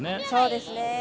そうですね。